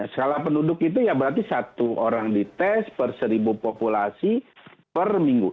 skala penduduk itu ya berarti satu orang dites per seribu populasi per minggu